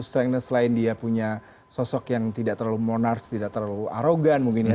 strength selain dia punya sosok yang tidak terlalu monarct tidak terlalu arogan mungkin ya